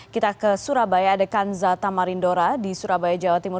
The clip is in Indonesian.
kita ke surabaya ada kanza tamarindora di surabaya jawa timur